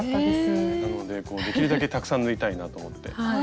なのでできるだけたくさん縫いたいなと思って。